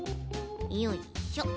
よいしょ。